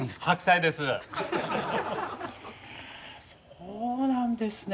そうなんですね。